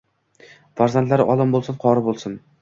Farzandlaringiz olim boʻlsin, qori boʻlsin.